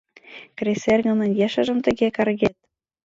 — Кресэргымын ешыжым тыге каргет?